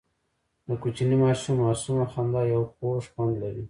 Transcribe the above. د کوچني ماشوم معصومه خندا یو خوږ خوند لري.